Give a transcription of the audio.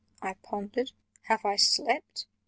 I pondered. "Have I slept?